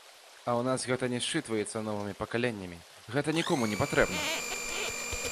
А ў нас гэта не счытваецца новымі пакаленнямі, гэта нікому не патрэбна.